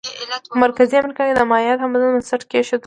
په مرکزي امریکا کې د مایا تمدن بنسټ کېښودل شو.